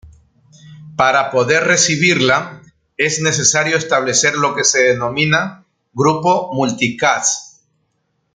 Para poder recibirla, es necesario establecer lo que se denomina "grupo multicast".